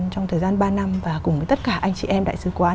trong thời gian ba năm và cùng với tất cả anh chị em đại sứ quán